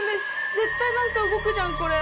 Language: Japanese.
絶対何か動くじゃんこれ。